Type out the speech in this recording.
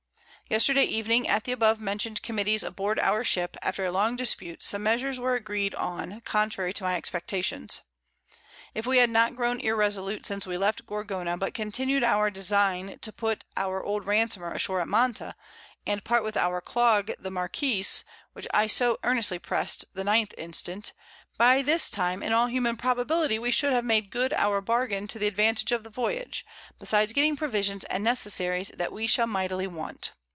Yesterday Evening at the abovemention'd Committees aboard our Ship, after a long dispute, some Measures were agreed on contrary to my Expectations. If we had not grown irresolute since we left Gorgona, but continued our Design to put our old Ransomer ashore at Manta, and part with our Clog the Marquiss, which I so earnestly press'd the 9th instant, by this time in all human probability we should have made good our Bargain to the advantage of the Voyage, besides getting Provisions and Necessaries that we shall mightily want.